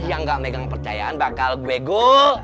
yang gak memegang percayaan bakal gue go